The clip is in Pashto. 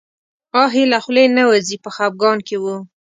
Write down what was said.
آه یې له خولې نه وځي په خپګان کې و.